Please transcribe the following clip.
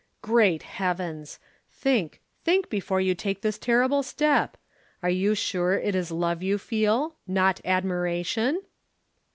"Great Heavens! Think; think before you take this terrible step. Are you sure it is love you feel, not admiration?"